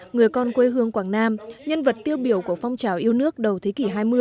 người con quê hương quảng nam nhân vật tiêu biểu của phong trào yêu nước đầu thế kỷ hai mươi